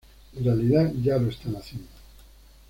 En realidad, ya lo están haciendo.